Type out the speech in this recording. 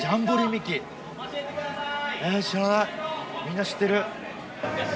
みんな知ってる。